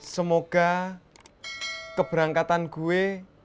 semoga keberangkatan gue